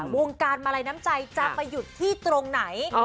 วงการมาลัยน้ำใจจะไปหยุดที่ตรงไหน